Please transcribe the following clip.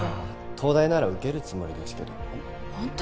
東大なら受けるつもりですけど本当？